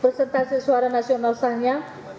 bersertasi suara nasional sahnya